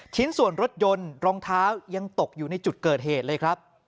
ชิ้นส่วนรถยนต์รองเท้ายังตกอยู่ในจุดเกิดเหตุเลยครับ